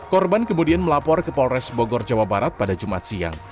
korban kemudian melapor ke polres bogor jawa barat pada jumat siang